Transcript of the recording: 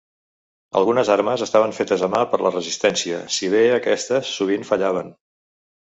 Algunes armes estaven fetes a mà per la Resistència, si bé aquestes sovint fallaven.